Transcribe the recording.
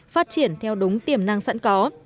phát triển theo đúng tiềm năng sẵn có